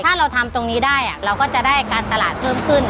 ถ้าเราทำตรงนี้ได้เราก็จะได้การตลาดเพิ่มขึ้น